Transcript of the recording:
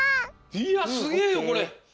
いやすげえよこれ！